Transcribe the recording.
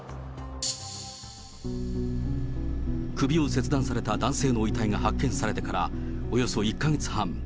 首を切断された男性の遺体が発見されてからおよそ１か月半。